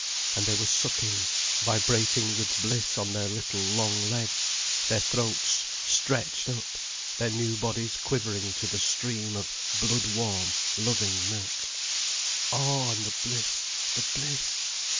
And they were sucking, vibrating with bliss on their little, long legs, their throats stretched up, their new bodies quivering to the stream of blood warm, loving milk. Oh, and the bliss, the bliss!